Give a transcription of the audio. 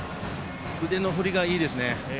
腕の振りがいいですね。